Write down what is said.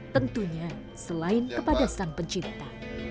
tentunya selain kepada sang pencipta